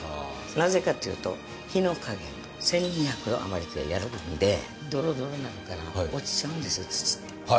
なぜかというと火の加減１２００度あまりでやるもんでドロドロになったら落ちちゃうんですよ土って。